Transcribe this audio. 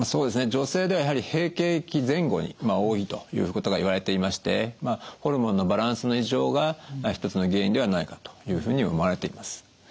女性ではやはり閉経期前後に多いということがいわれていましてホルモンのバランスの異常が一つの原因ではないかというふうに思われています。